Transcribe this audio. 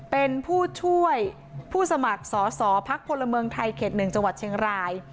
เป็นผู้ช่วยผู้สมัครสอสอพักพลเมืองไทยเขต๑จังหวัดเชียงราย